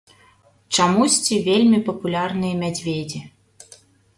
Чамусьці вельмі папулярныя мядзведзі.